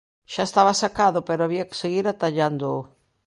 Xa estaba sacado, pero había que seguir atallándoo.